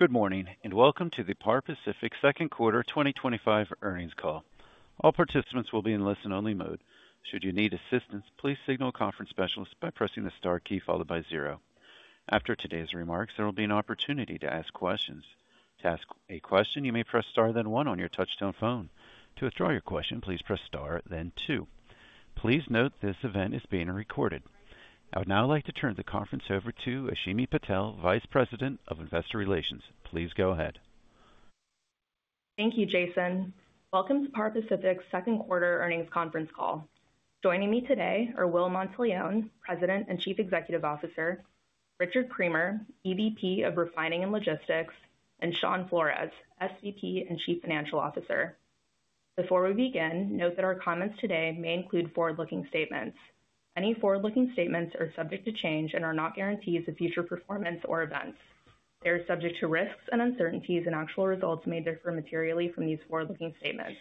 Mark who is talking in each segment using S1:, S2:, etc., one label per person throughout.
S1: Good morning and welcome to the Par Pacific second quarter 2025 earnings call. All participants will be in listen-only mode. Should you need assistance, please signal a conference specialist by pressing the star key followed by zero. After today's remarks, there will be an opportunity to ask questions. To ask a question, you may press star then one on your touch-tone phone. To withdraw your question, please press star then two. Please note this event is being recorded. I would now like to turn the conference over to Ashimi Patel, Vice President of Investor Relations. Please go ahead.
S2: Thank you, Jason. Welcome to Par Pacific's second quarter earnings conference call. Joining me today are Will Monteleone, President and Chief Executive Officer, Richard Creamer, EVP of Refining and Logistics, and Shawn Flores, SVP and Chief Financial Officer. Before we begin, note that our comments today may include forward-looking statements. Any forward-looking statements are subject to change and are not guarantees of future performance or events. They are subject to risks and uncertainties, and actual results may differ materially from these forward-looking statements.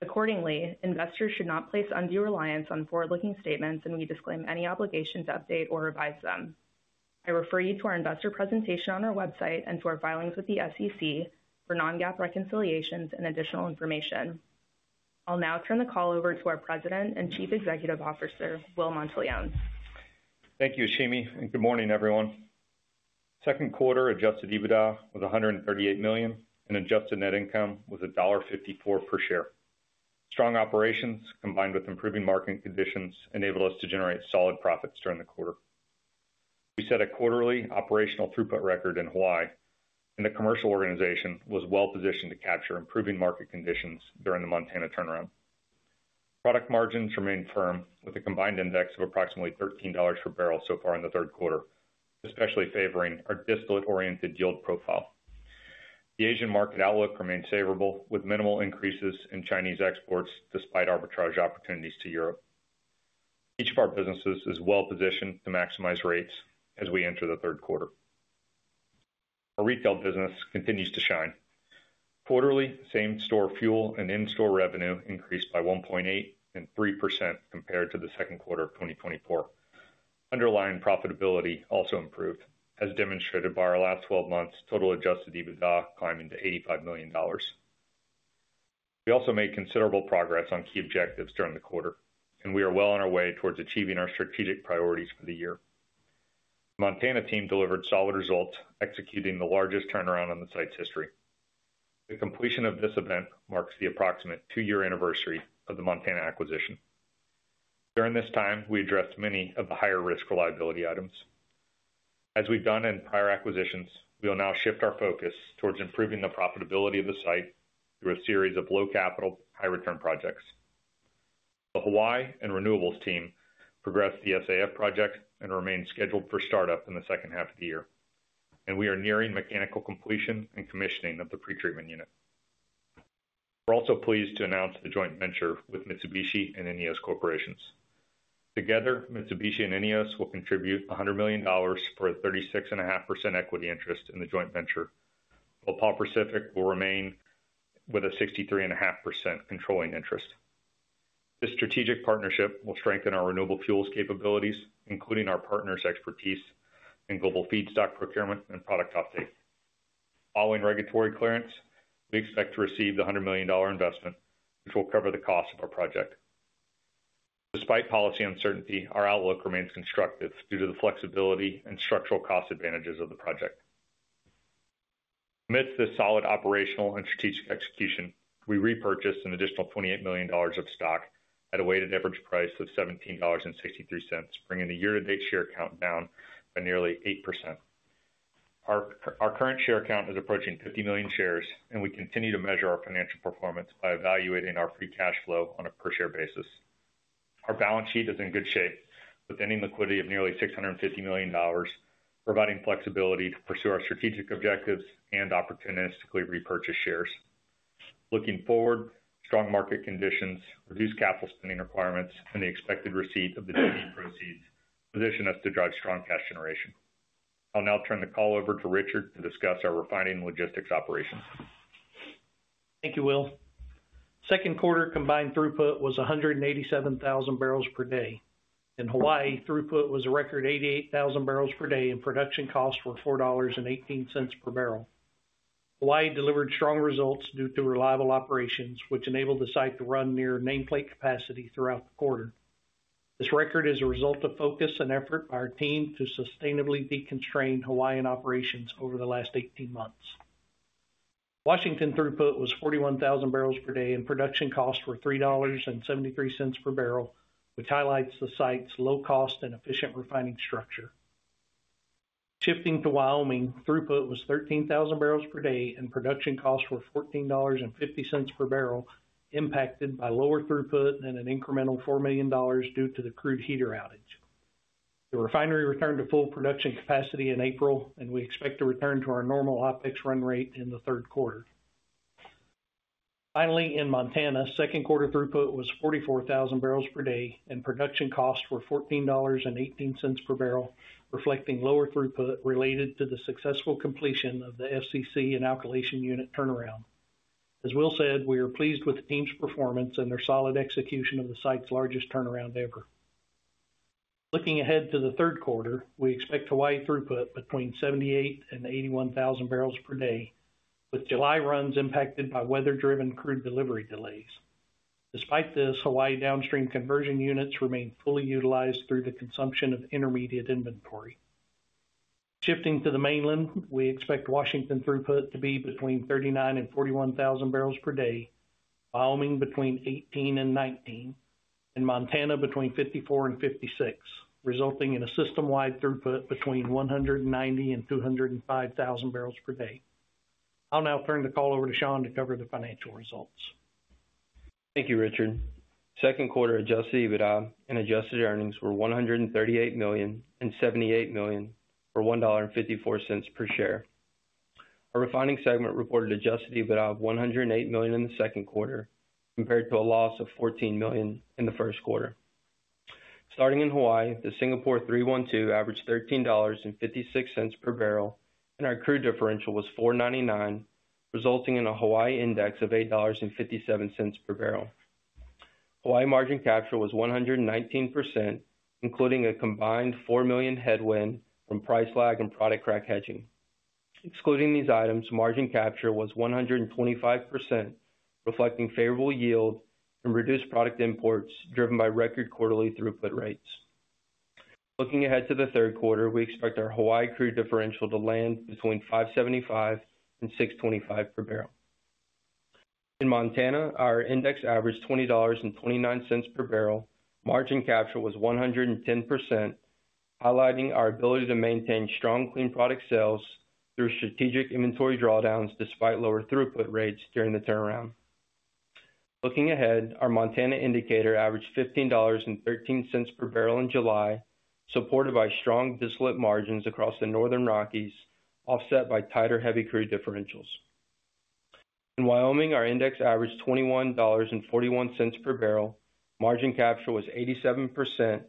S2: Accordingly, investors should not place undue reliance on forward-looking statements, and we disclaim any obligation to update or revise them. I refer you to our investor presentation on our website and to our filings with the SEC for non-GAAP reconciliations and additional information. I'll now turn the call over to our President and Chief Executive Officer, Will Monteleone.
S3: Thank you, Ashimi, and good morning, everyone. Second quarter adjusted EBITDA was $138 million and adjusted net income was $1.54 per share. Strong operations, combined with improving market conditions, enabled us to generate solid profits during the quarter. We set a quarterly operational throughput record in Hawaii, and the commercial organization was well positioned to capture improving market conditions during the Montana turnaround. Product margins remained firm with a combined index of approximately $13 per barrel so far in the third quarter, especially favoring our distillate-oriented yield profile. The Asian market outlook remains favorable, with minimal increases in Chinese exports despite arbitrage opportunities to Europe. Each of our businesses is well positioned to maximize rates as we enter the third quarter. Our retail business continues to shine. Quarterly, same-store fuel and in-store revenue increased by 1.8% and 3% compared to the second quarter of 2024. Underlying profitability also improved, as demonstrated by our last 12 months' total adjusted EBITDA climbing to $85 million. We also made considerable progress on key objectives during the quarter, and we are well on our way towards achieving our strategic priorities for the year. The Montana team delivered solid results, executing the largest turnaround in the site's history. The completion of this event marks the approximate two-year anniversary of the Montana acquisition. During this time, we addressed many of the higher risk reliability items. As we've done in prior acquisitions, we will now shift our focus towards improving the profitability of the site through a series of low capital, high return projects. The Hawaii and renewables team progressed the SAF project and remains scheduled for startup in the second half of the year, and we are nearing mechanical completion and commissioning of the pretreatment unit. We're also pleased to announce the joint venture with Mitsubishi and INEOS Corporation. Together, Mitsubishi and INEOS will contribute $100 million for a 36.5% equity interest in the joint venture, while Par Pacific Holdings Inc. will remain with a 63.5% controlling interest. This strategic partnership will strengthen our renewable fuels capabilities, including our partners' expertise in global feedstock procurement and product uptake. Following regulatory clearance, we expect to receive the $100 million investment, which will cover the cost of our project. Despite policy uncertainty, our outlook remains constructive due to the flexibility and structural cost advantages of the project. Amidst this solid operational and strategic execution, we repurchased an additional $28 million of stock at a weighted average price of $17.63, bringing the year-to-date share count down by nearly 8%. Our current share count is approaching 50 million shares, and we continue to measure our financial performance by evaluating our free cash flow on a per-share basis. Our balance sheet is in good shape, with ending liquidity of nearly $650 million, providing flexibility to pursue our strategic objectives and opportunistically repurchase shares. Looking forward, strong market conditions, reduced capital spending requirements, and the expected receipt of the VAT proceeds position us to drive strong cash generation. I'll now turn the call over to Richard to discuss our refining and logistics operations.
S4: Thank you, Will. Second quarter combined throughput was 187,000 bbls per day. In Hawaii, throughput was a record 88,000 bbls per day, and production costs were $4.18 per barrel. Hawaii delivered strong results due to reliable operations, which enabled the site to run near nameplate capacity throughout the quarter. This record is a result of focus and effort by our team to sustainably deconstrain Hawaiian operations over the last 18 months. Washington throughput was 41,000 bbls per day, and production costs were $3.73 per barrel, which highlights the site's low-cost and efficient refining structure. Shifting to Wyoming, throughput was 13,000 bbls per day, and production costs were $14.50 per barrel, impacted by lower throughput and an incremental $4 million due to the crude heater outage. The refinery returned to full production capacity in April, and we expect to return to our normal OpEx run rate in the third quarter. Finally, in Montana, second quarter throughput was 44,000 bbls per day, and production costs were $14.18 per barrel, reflecting lower throughput related to the successful completion of the SEC and Alkylation Unit turnaround. As Will said, we are pleased with the team's performance and their solid execution of the site's largest turnaround ever. Looking ahead to the third quarter, we expect Hawaii throughput between 78,000 bbls and 81,000 bbls per day, with July runs impacted by weather-driven crude delivery delays. Despite this, Hawaii downstream conversion units remain fully utilized through the consumption of intermediate inventory. Shifting to the mainland, we expect Washington throughput to be between 39,000 bbls and 41,000 bbls per day, Wyoming between 18,000 bbls and 19,000 bbls, and Montana between 54,000 bbls and 56,000 bbls, resulting in a system-wide throughput between 190,000 bbls and 205,000 bbls per day. I'll now turn the call over to Shawn to cover the financial results.
S5: Thank you, Richard. Second quarter adjusted EBITDA and adjusted earnings were $138 million and $78 million, or $1.54 per share. Our refining segment reported adjusted EBITDA of $108 million in the second quarter, compared to a loss of $14 million in the first quarter. Starting in Hawaii, the Singapore 312 averaged $13.56 per barrel, and our crude differential was $4.99, resulting in a Hawaii index of $8.57 per barrel. Hawaii margin capture was 119%, including a combined $4 million headwind from price lag and product crack hedging. Excluding these items, margin capture was 125%, reflecting favorable yield and reduced product imports driven by record quarterly throughput rates. Looking ahead to the third quarter, we expect our Hawaii crude differential to land between $5.75 and $6.25 per barrel. In Montana, our index averaged $20.29 per barrel, margin capture was 110%, highlighting our ability to maintain strong clean product sales through strategic inventory drawdowns despite lower throughput rates during the turnaround. Looking ahead, our Montana indicator averaged $15.13 per barrel in July, supported by strong distillate margins across the Northern Rockies, offset by tighter heavy crude differentials. In Wyoming, our index averaged $21.41 per barrel, margin capture was 87%,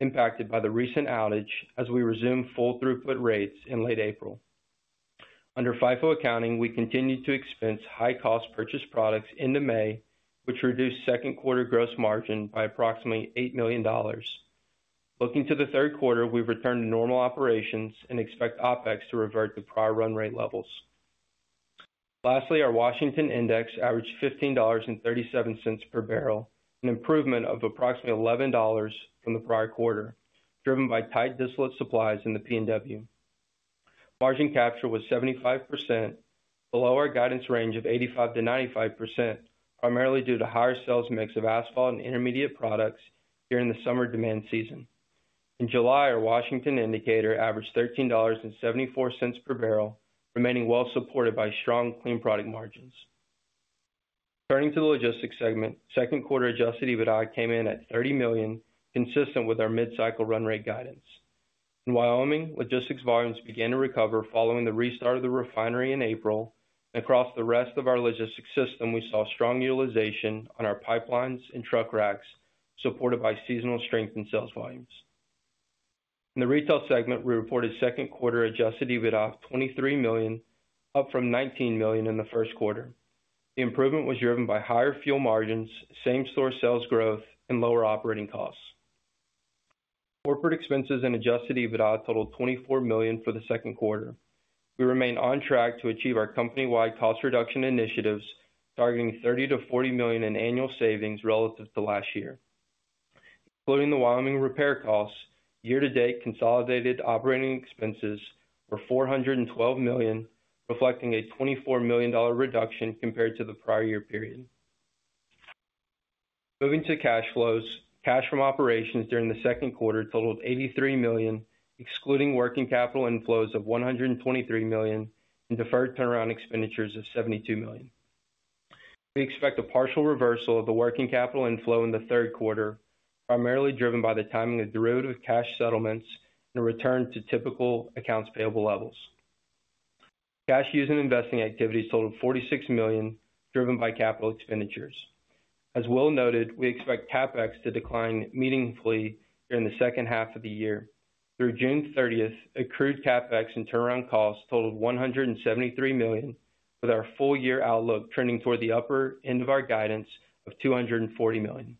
S5: impacted by the recent outage as we resumed full throughput rates in late April. Under FIFO accounting, we continued to expense high-cost purchase products into May, which reduced second quarter gross margin by approximately $8 million. Looking to the third quarter, we've returned to normal operations and expect OpEx to revert to prior run rate levels. Lastly, our Washington index averaged $15.37 per barrel, an improvement of approximately $11 from the prior quarter, driven by tight distillate supplies in the Pacific Northwest. Margin capture was 75%, below our guidance range of 85%-95%, primarily due to higher sales mix of asphalt and intermediate products during the summer demand season. In July, our Washington indicator averaged $13.74 per barrel, remaining well supported by strong clean product margins. Turning to the logistics segment, second quarter adjusted EBITDA came in at $30 million, consistent with our mid-cycle run rate guidance. In Wyoming, logistics volumes began to recover following the restart of the refinery in April, and across the rest of our logistics system, we saw strong utilization on our pipelines and truck racks, supported by seasonal strength in sales volumes. In the retail segment, we reported second quarter adjusted EBITDA of $23 million, up from $19 million in the first quarter. The improvement was driven by higher fuel margins, same-store sales growth, and lower operating costs. Corporate expenses and adjusted EBITDA totaled $24 million for the second quarter. We remain on track to achieve our company-wide cost reduction initiatives, targeting $30 million-$40 million in annual savings relative to last year. Including the Wyoming repair costs, year-to-date consolidated operating expenses were $412 million, reflecting a $24 million reduction compared to the prior year period. Moving to cash flows, cash from operations during the second quarter totaled $83 million, excluding working capital inflows of $123 million and deferred turnaround expenditures of $72 million. We expect a partial reversal of the working capital inflow in the third quarter, primarily driven by the timing of derivative cash settlements and a return to typical accounts payable levels. Cash use and investing activities totaled $46 million, driven by capital expenditures. As Will noted, we expect CapEx to decline meaningfully during the second half of the year. Through June 30th, accrued CapEx and turnaround costs totaled $173 million, with our full-year outlook trending toward the upper end of our guidance of $240 million.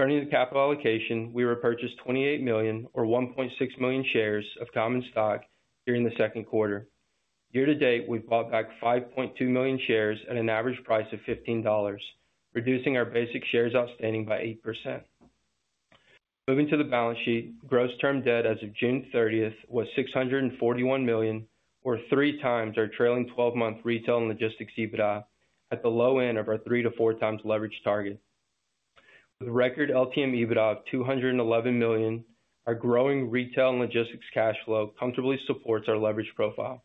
S5: Turning to capital allocation, we repurchased $28 million or 1.6 million shares of common stock during the second quarter. Year to date, we've bought back 5.2 million shares at an average price of $15, reducing our basic shares outstanding by 8%. Moving to the balance sheet, gross term debt as of June 30th was $641 million, or three times our trailing 12-month retail and logistics EBITDA at the low end of our three to four times leverage target. With a record LTM EBITDA of $211 million, our growing retail and logistics cash flow comfortably supports our leverage profile.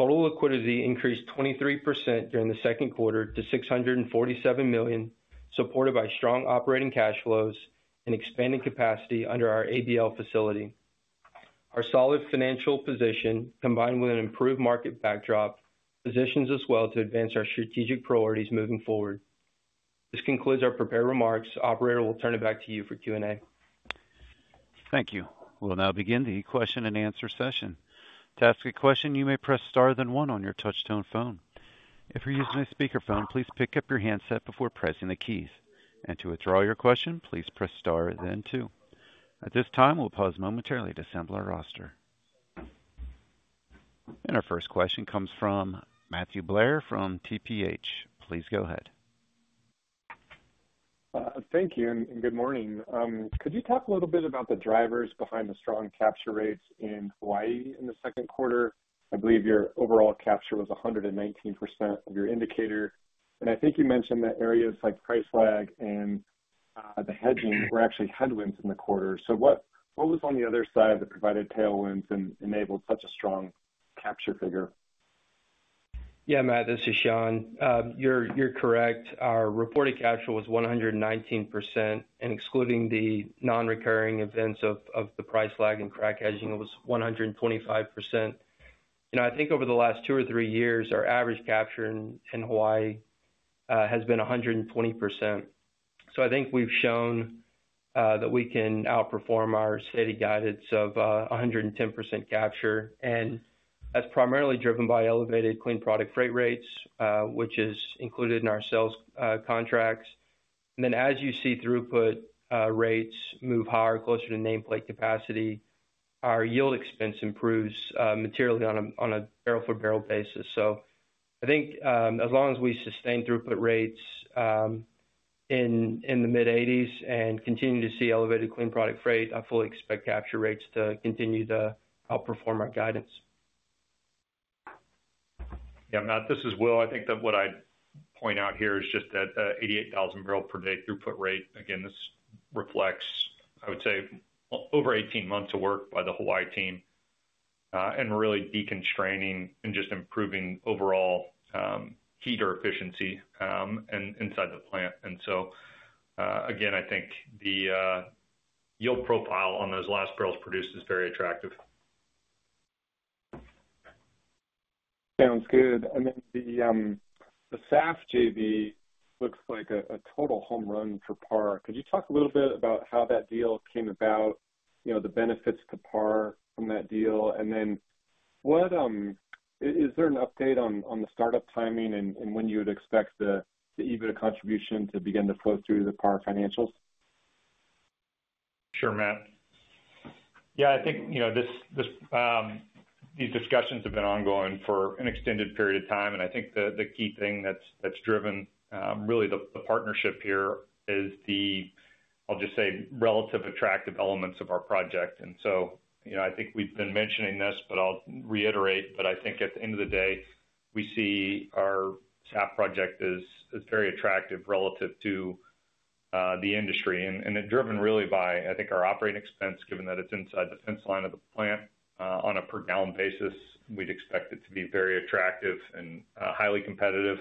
S5: Total liquidity increased 23% during the second quarter to $647 million, supported by strong operating cash flows and expanded capacity under our ABL facility. Our solid financial position, combined with an improved market backdrop, positions us well to advance our strategic priorities moving forward. This concludes our prepared remarks. Operator, we'll turn it back to you for Q&A.
S1: Thank you. We'll now begin the question-and-answer session. To ask a question, you may press star then one on your touch-tone phone. If you're using a speakerphone, please pick up your handset before pressing the keys. To withdraw your question, please press star then two. At this time, we'll pause momentarily to assemble our roster. Our first question comes from Matthew Blair from TPH. Please go ahead.
S6: Thank you and good morning. Could you talk a little bit about the drivers behind the strong capture rates in Hawaii in the second quarter? I believe your overall capture was 119% of your indicator. I think you mentioned that areas like price lag and the hedging were actually headwinds in the quarter. What was on the other side that provided tailwinds and enabled such a strong capture figure?
S5: Yeah, Matt, this is Shawn. You're correct. Our reported capture was 119%, and excluding the non-recurring events of the price lag and crack hedging, it was 125%. I think over the last two or three years, our average capture in Hawaii has been 120%. I think we've shown that we can outperform our stated guidance of 110% capture, and that's primarily driven by elevated clean product freight rates, which is included in our sales contracts. As you see throughput rates move higher, closer to nameplate capacity, our yield expense improves materially on a barrel-for-barrel basis. I think as long as we sustain throughput rates in the mid-eighties and continue to see elevated clean product freight, I fully expect capture rates to continue to outperform our guidance.
S3: Yeah, Matt, this is Will. I think that what I'd point out here is just that 88,000 bbls per day throughput rate. Again, this reflects, I would say, over 18 months of work by the Hawaii team, and we're really deconstraining and just improving overall heater efficiency inside the plant. I think the yield profile on those last barrels produced is very attractive.
S6: Sounds good. The SAF JV looks like a total home run for Par Pacific. Could you talk a little bit about how that deal came about, the benefits to Par Pacific from that deal? Is there an update on the startup timing and when you would expect the EBITDA contribution to begin to flow through the Par Pacific financials?
S3: Sure, Matt. I think these discussions have been ongoing for an extended period of time, and I think the key thing that's driven really the partnership here is the, I'll just say, relative attractive elements of our project. I think we've been mentioning this, but I'll reiterate, I think at the end of the day, we see our SAF project as very attractive relative to the industry. It's driven really by our operating expense, given that it's inside the fence line of the plant on a per-gallon basis. We'd expect it to be very attractive and highly competitive.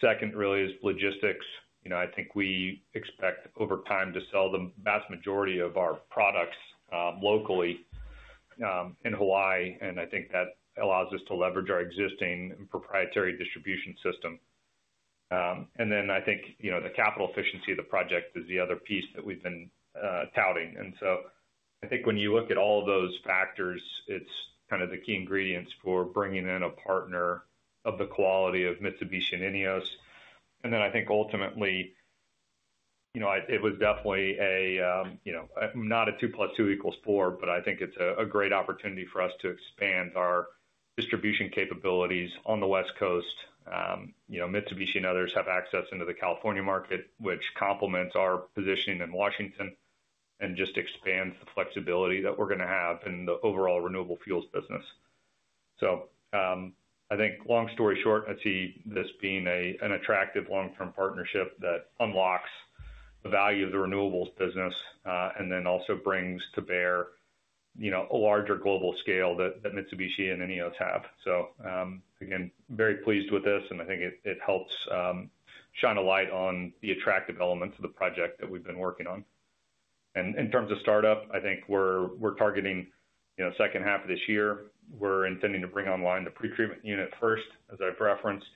S3: Second, really, is logistics. I think we expect over time to sell the vast majority of our products locally in Hawaii, and I think that allows us to leverage our existing proprietary distribution system. I think the capital efficiency of the project is the other piece that we've been touting. When you look at all of those factors, it's kind of the key ingredients for bringing in a partner of the quality of Mitsubishi and INEOS. I think ultimately, it was definitely not a 2+2 equals 4, but I think it's a great opportunity for us to expand our distribution capabilities on the U.S. West Coast. Mitsubishi and others have access into the California market, which complements our positioning in Washington and just expands the flexibility that we're going to have in the overall renewable fuels business. Long story short, I see this being an attractive long-term partnership that unlocks the value of the renewables business and also brings to bear a larger global scale that Mitsubishi and INEOS have. Again, very pleased with this, and I think it helps shine a light on the attractive elements of the project that we've been working on. In terms of startup, I think we're targeting the second half of this year. We're intending to bring online the pretreatment unit first, as I've referenced,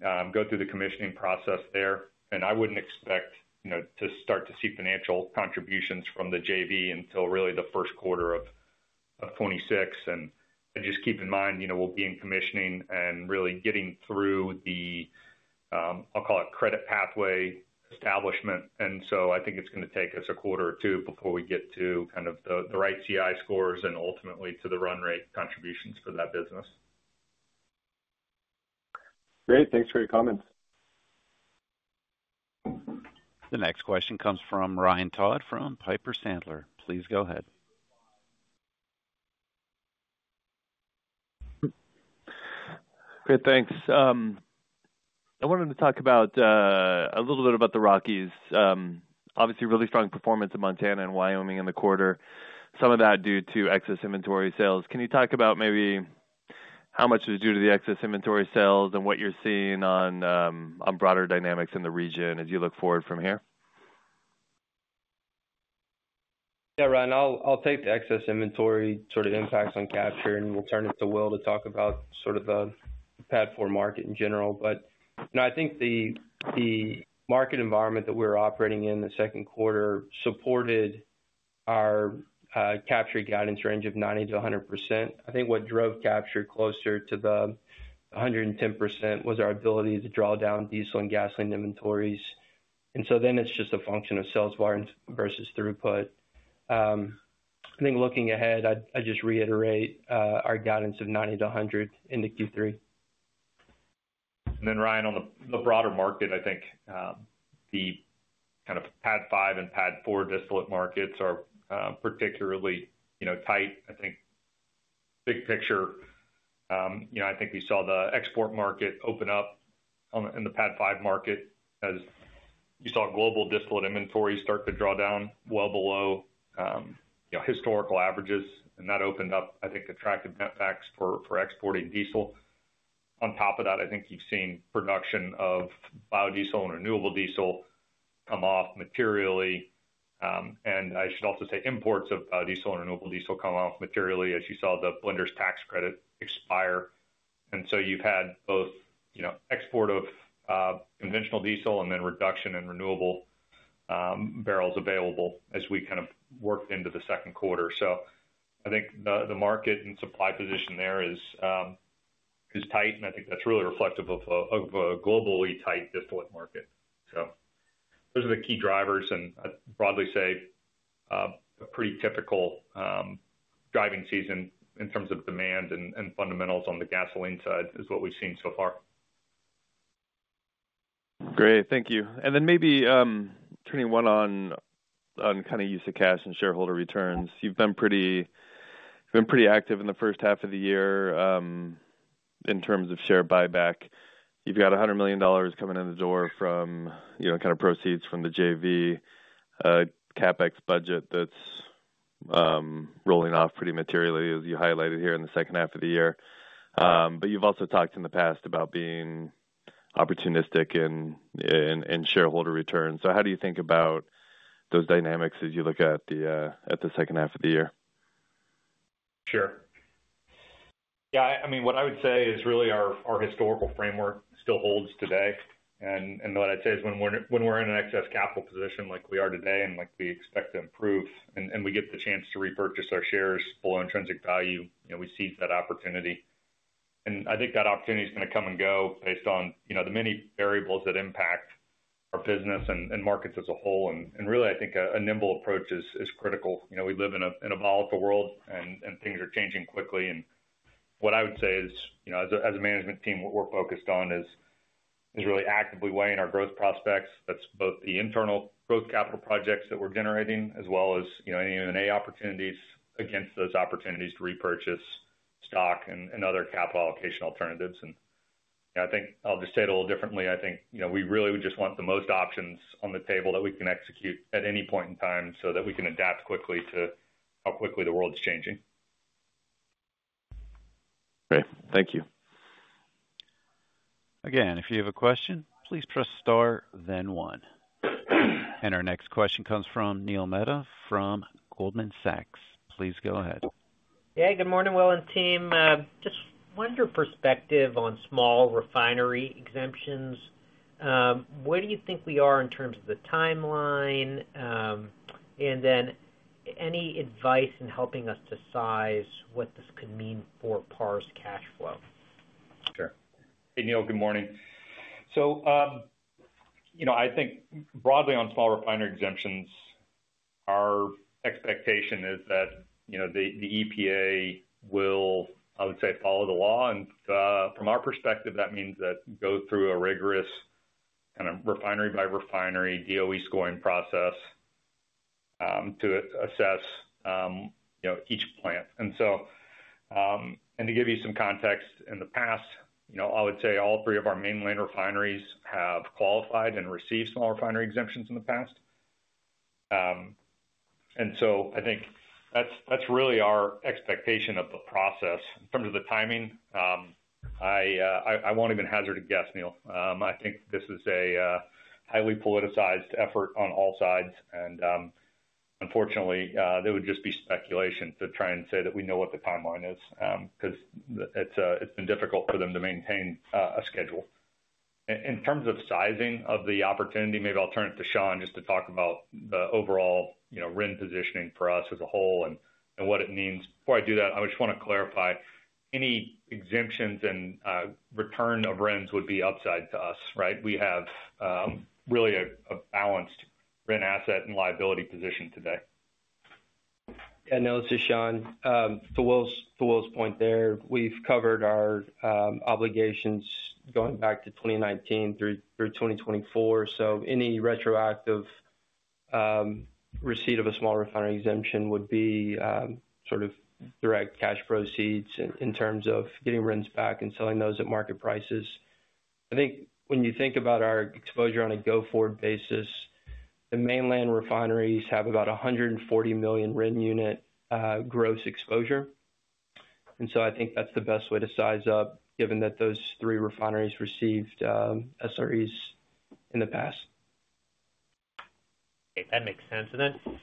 S3: go through the commissioning process there. I wouldn't expect to start to see financial contributions from the joint venture until really the first quarter of 2026. Just keep in mind, we'll be in commissioning and really getting through the, I'll call it, credit pathway establishment. I think it's going to take us a quarter or two before we get to the right CI scores and ultimately to the run rate contributions for that business.
S6: Great. Thanks for your comments.
S1: The next question comes from Ryan Todd from Piper Sandler. Please go ahead.
S7: Good, thanks. I wanted to talk a little bit about the Rockies. Obviously, really strong performance in Montana and Wyoming in the quarter, some of that due to excess inventory sales. Can you talk about maybe how much is due to the excess inventory sales and what you're seeing on broader dynamics in the region as you look forward from here?
S5: Yeah, Ryan, I'll take the excess inventory sort of impacts on capture, and we'll turn it to Will to talk about sort of the PAD4 market in general. I think the market environment that we're operating in the second quarter supported our capture guidance range of 90%-100%. I think what drove capture closer to the 110% was our ability to draw down diesel and gasoline inventories. It's just a function of sales volumes versus throughput. I think looking ahead, I'd just reiterate our guidance of 90%-100% in the Q3.
S3: Ryan, on the broader market, I think the kind of PAD5 and PAD4 distillate markets are particularly tight. Big picture, I think we saw the export market open up in the PAD5 market as you saw global distillate inventories start to draw down well below historical averages, and that opened up attractive net backs for exporting diesel. On top of that, I think you've seen production of biodiesel and renewable diesel come off materially. I should also say imports of biodiesel and renewable diesel come off materially as you saw the blender's tax credit expire. You have had both export of conventional diesel and then reduction in renewable barrels available as we kind of worked into the second quarter. I think the market and supply position there is tight, and I think that's really reflective of a globally tight distillate market. Those are the key drivers, and I'd broadly say a pretty typical driving season in terms of demand and fundamentals on the gasoline side is what we've seen so far.
S7: Great, thank you. Maybe turning to use of cash and shareholder returns, you've been pretty active in the first half of the year in terms of share buyback. You've got $100 million coming in the door from proceeds from the JV CapEx budget that's rolling off pretty materially, as you highlighted here in the second half of the year. You've also talked in the past about being opportunistic in shareholder returns. How do you think about those dynamics as you look at the second half of the year?
S3: Sure. What I would say is really our historical framework still holds today. What I'd say is when we're in an excess capital position like we are today and like we expect to improve and we get the chance to repurchase our shares below intrinsic value, we seize that opportunity. I think that opportunity is going to come and go based on the many variables that impact our business and markets as a whole. I think a nimble approach is critical. We live in a volatile world and things are changing quickly. What I would say is as a management team, what we're focused on is really actively weighing our growth prospects. That's both the internal growth capital projects that we're generating, as well as any M&A opportunities against those opportunities to repurchase stock and other capital allocation alternatives. I'll just say it a little differently. I think we really would just want the most options on the table that we can execute at any point in time so that we can adapt quickly to how quickly the world's changing.
S7: Great, thank you.
S1: If you have a question, please press star then one. Our next question comes from Neil Mehta from Goldman Sachs. Please go ahead.
S8: Good morning, Will and team. Wonderful perspective on small refinery exemptions. Where do you think we are in terms of the timeline? Any advice in helping us decide what this could mean for Par Pacific's cash flow?
S3: Sure. Hey, Neil, good morning. I think broadly on small refinery exemptions, our expectation is that the EPA will, I would say, follow the law. From our perspective, that means they go through a rigorous kind of refinery-by-refinery DOE scoring process to assess each plant. To give you some context, in the past, all three of our mainland refineries have qualified and received small refinery exemptions in the past. I think that's really our expectation of the process. In terms of the timing, I won't even hazard a guess, Neil. I think this is a highly politicized effort on all sides. Unfortunately, there would just be speculation to try and say that we know what the timeline is because it's been difficult for them to maintain a schedule. In terms of sizing of the opportunity, maybe I'll turn it to Shawn just to talk about the overall RIN positioning for us as a whole and what it means. Before I do that, I just want to clarify any exemptions and return of RINs would be upside to us, right? We have really a balanced RIN asset and liability position today.
S5: Yeah, no, this is Shawn. To Will's point there, we've covered our obligations going back to 2019 through 2024. Any retroactive receipt of a small refinery exemption would be sort of direct cash proceeds in terms of getting RINs back and selling those at market prices. I think when you think about our exposure on a go-forward basis, the mainland refineries have about 140 million RIN unit gross exposure. I think that's the best way to size up, given that those three refineries received SREs in the past.
S8: That makes sense. Could you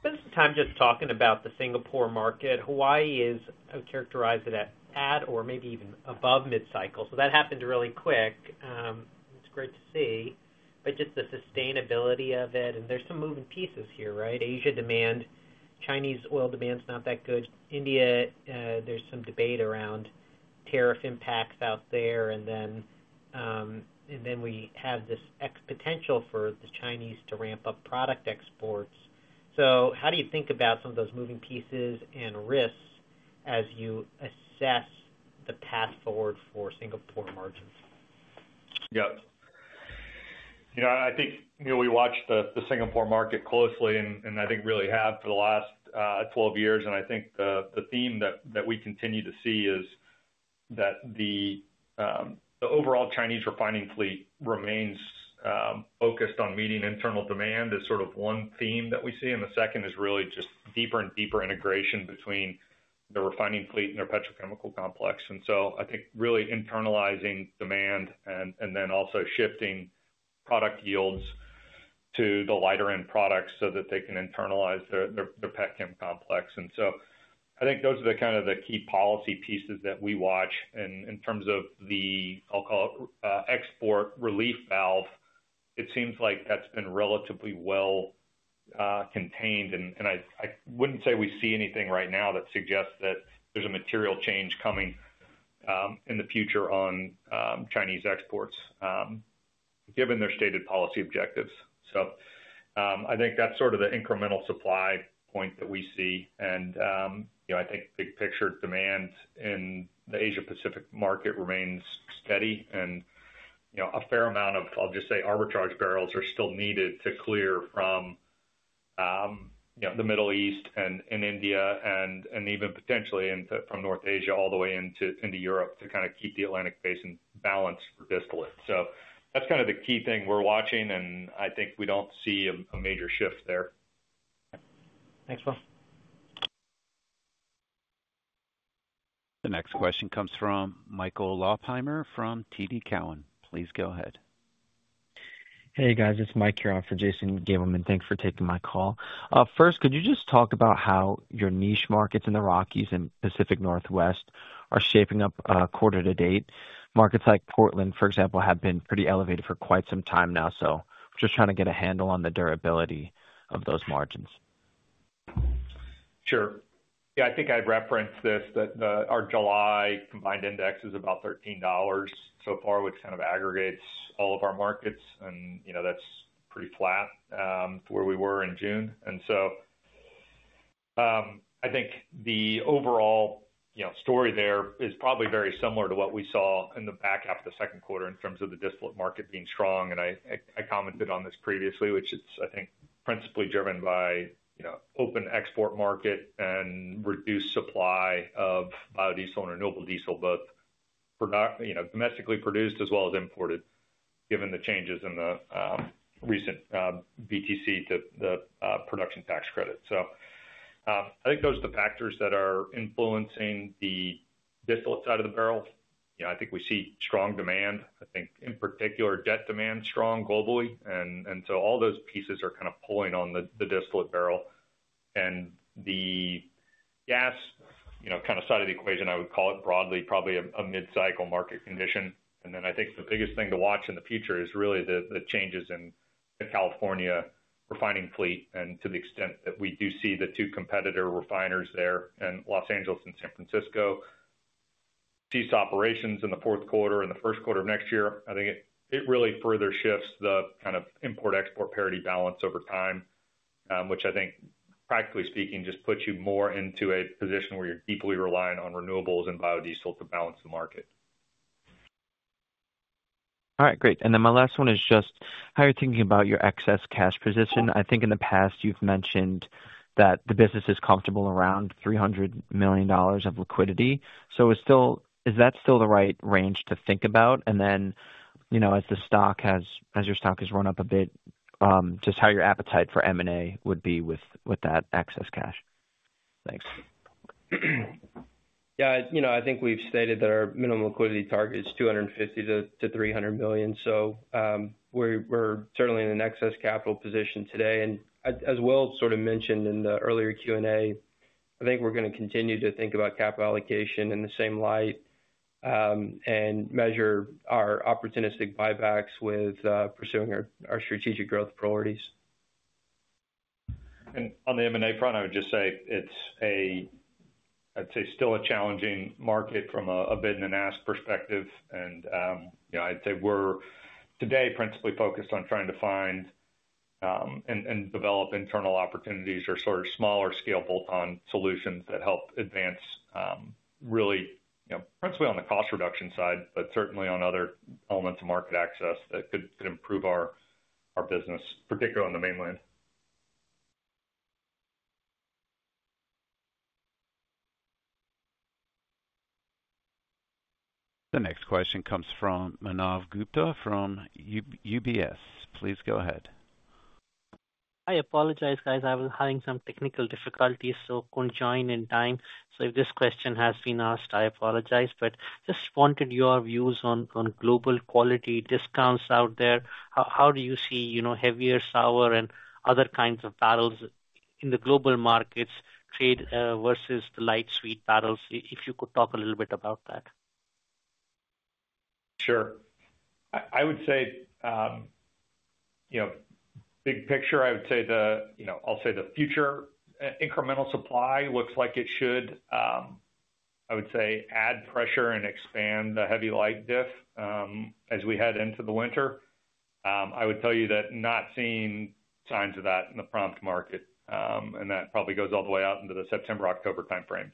S8: spend some time just talking about the Singapore market? Hawaii is, I would characterize it at or maybe even above mid-cycle. That happened really quick. It's great to see. Just the sustainability of it, and there's some moving pieces here, right? Asia demand, Chinese oil demand's not that good. India, there's some debate around tariff impacts out there. We have this potential for the Chinese to ramp up product exports. How do you think about some of those moving pieces and risks as you assess the path forward for Singapore margins?
S3: Yeah. You know, I think, Neil, we watch the Singapore market closely, and I think really have for the last 12 years. The theme that we continue to see is that the overall Chinese refining fleet remains focused on meeting internal demand, which is sort of one theme that we see. The second is really just deeper and deeper integration between the refining fleet and their petrochemical complex. I think really internalizing demand and then also shifting product yields to the lighter-end products so that they can internalize their pet chem complex. Those are kind of the key policy pieces that we watch. In terms of the, I'll call it, export relief valve, it seems like that's been relatively well contained. I wouldn't say we see anything right now that suggests that there's a material change coming in the future on Chinese exports, given their stated policy objectives. I think that's sort of the incremental supply point that we see. The big picture demand in the Asia-Pacific market remains steady. A fair amount of, I'll just say, arbitrage barrels are still needed to clear from the Middle East and India and even potentially from North Asia all the way into Europe to kind of keep the Atlantic Basin balanced for distillate. That's kind of the key thing we're watching. I think we don't see a major shift there.
S8: Thanks, Will.
S1: The next question comes from Michael Laupheimer from TD Cowen. Please go ahead.
S9: Hey guys, it's Mike here for Jason Gabelman. Thanks for taking my call. First, could you just talk about how your niche markets in the Rockies and Pacific Northwest are shaping up quarter to date? Markets like Portland, for example, have been pretty elevated for quite some time now. Just trying to get a handle on the durability of those margins.
S3: Sure. Yeah, I think I'd referenced this that our July combined index is about $13 so far, which kind of aggregates all of our markets. That's pretty flat for where we were in June. I think the overall story there is probably very similar to what we saw in the back half of the second quarter in terms of the distillate market being strong. I commented on this previously, which is, I think, principally driven by open export market and reduced supply of biodiesel and renewable diesel, both domestically produced as well as imported, given the changes in the recent BTC to the production tax credit. I think those are the factors that are influencing the distillate side of the barrel. I think we see strong demand. I think in particular, that demand is strong globally. All those pieces are kind of pulling on the distillate barrel. The gas side of the equation, I would call it broadly, probably a mid-cycle market condition. I think the biggest thing to watch in the future is really the changes in the California refining fleet and to the extent that we do see the two competitor refiners there in Los Angeles and San Francisco. Decent operations in the fourth quarter and the first quarter of next year, I think it really further shifts the kind of import-export parity balance over time, which I think, practically speaking, just puts you more into a position where you're deeply reliant on renewables and biodiesel to balance the market.
S9: All right, great. My last one is just how you're thinking about your excess cash position. I think in the past you've mentioned that the business is comfortable around $300 million of liquidity. Is that still the right range to think about? As the stock has, as your stock has run up a bit, just how your appetite for M&A would be with that excess cash. Thanks.
S5: Yeah, you know, I think we've stated that our minimum liquidity target is $250 million-$300 million. We're certainly in an excess capital position today. As Will sort of mentioned in the earlier Q&A, I think we're going to continue to think about capital allocation in the same light and measure our opportunistic buybacks with pursuing our strategic growth priorities.
S3: On the M&A front, I would just say it's still a challenging market from a bid and an ask perspective. We're today principally focused on trying to find and develop internal opportunities or sort of smaller scale bolt-on solutions that help advance, really, principally on the cost reduction side, but certainly on other elements of market access that could improve our business, particularly on the mainland.
S1: The next question comes from Manav Gupta from UBS. Please go ahead.
S10: I apologize, guys. I was having some technical difficulties, so I couldn't join in time. If this question has been asked, I apologize. I just wanted your views on global quality discounts out there. How do you see, you know, heavier sour and other kinds of barrels in the global markets trade versus the light sweet barrels? If you could talk a little bit about that.
S3: Sure. I would say, big picture, the future incremental supply looks like it should add pressure and expand the heavy light diff as we head into the winter. I would tell you that not seeing signs of that in the prompt market. That probably goes all the way out into the September-October timeframe.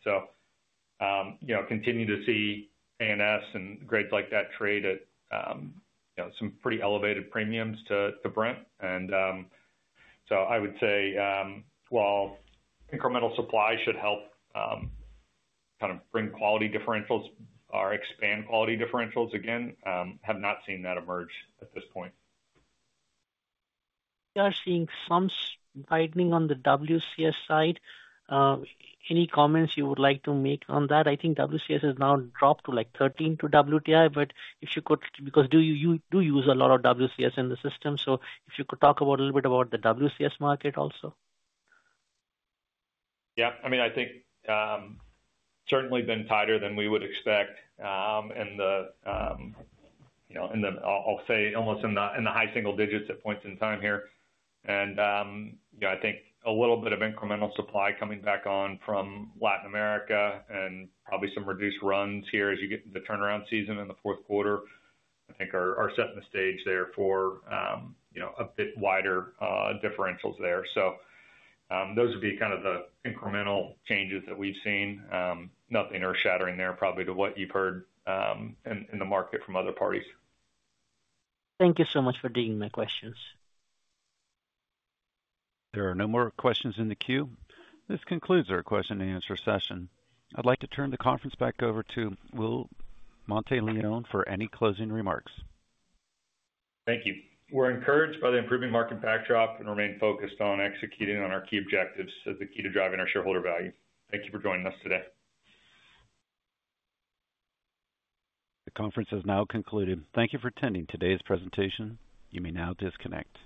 S3: You continue to see ANS and grades like that trade at some pretty elevated premiums to Brent. I would say incremental supply should help kind of bring quality differentials or expand quality differentials. Again, I have not seen that emerge at this point.
S10: You are seeing some tightening on the WCS side. Any comments you would like to make on that? I think WCS has now dropped to like $13 to WTI, but if you could, because you do use a lot of WCS in the system, if you could talk a little bit about the WCS market also.
S3: Yeah, I mean, I think it's certainly been tighter than we would expect. You know, I'll say almost in the high single digits at points in time here. You know, I think a little bit of incremental supply coming back on from Latin America and probably some reduced runs here as you get into the turnaround season in the fourth quarter, I think are setting the stage there for a bit wider differentials there. Those would be kind of the incremental changes that we've seen. Nothing earth-shattering there probably to what you've heard in the market from other parties.
S10: Thank you so much for taking my questions.
S1: There are no more questions in the queue. This concludes our question and answer session. I'd like to turn the conference back over to Will Monteleone for any closing remarks.
S3: Thank you. We're encouraged by the improving market backdrop and remain focused on executing on our key objectives as the key to driving our shareholder value. Thank you for joining us today.
S1: The conference has now concluded. Thank you for attending today's presentation. You may now disconnect.